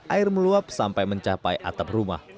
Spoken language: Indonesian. air meluap sampai mencapai atap rumah